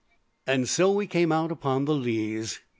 And so we came out upon the Leas.